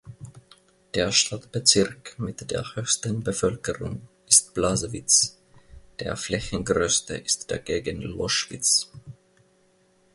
Der Stadtbezirk mit der höchsten Bevölkerung ist Blasewitz, der flächengrößte ist dagegen Loschwitz.